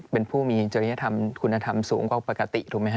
เป็นผู้มีจริยธรรมคุณธรรมสูงกว่าปกติถูกไหมฮ